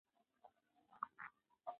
ته چیرته ځې.